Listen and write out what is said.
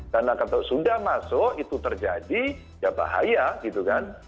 karena kalau sudah masuk itu terjadi ya bahaya gitu kan